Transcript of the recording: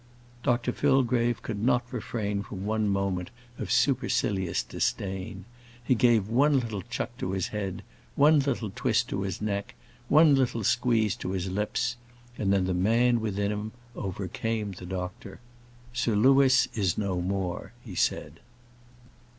Dr Fillgrave could not refrain from one moment of supercilious disdain: he gave one little chuck to his head, one little twist to his neck, one little squeeze to his lips, and then the man within him overcame the doctor. "Sir Louis is no more," he said.